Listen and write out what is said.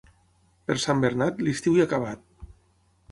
Per Sant Bernat, l'estiu ja ha acabat.